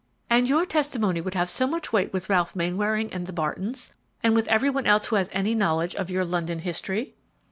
"And your testimony would have so much weight with Ralph Mainwaring and the Bartons, and with every one else who has any knowledge of your London history!"